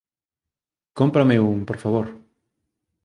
Cómprame un, por favor